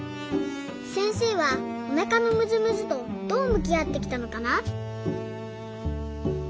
せんせいはおなかのむずむずとどうむきあってきたのかな？